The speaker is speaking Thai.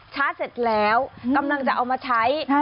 ชาร์จเสร็จแล้วกำลังจะเอามาใช้